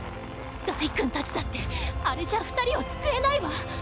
ダイくんたちだってあれじゃあ２人を救えないわ！